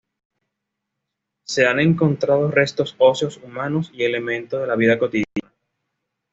Se han encontrado restos óseos humanos y elementos de la vida cotidiana.